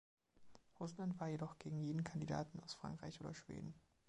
Russland war jedoch gegen jeden Kandidaten aus Frankreich oder Schweden.